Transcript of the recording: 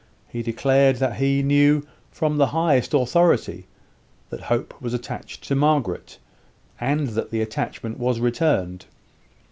He declared that he knew, from the highest authority, that Hope was attached to Margaret, and that the attachment was returned.